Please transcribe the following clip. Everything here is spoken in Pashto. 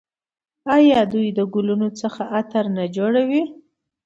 آیا دوی د ګلونو څخه عطر نه جوړوي؟